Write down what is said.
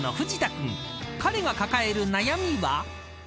［彼が抱える悩みは？］